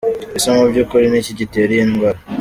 Ese mu by'ukuri ni iki gitera iyi ndwara?.